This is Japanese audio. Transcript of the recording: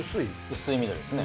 薄い緑ですね。